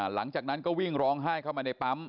หลังจากนั้นก็วิ่งร้องไห้เข้ามาในปั๊ม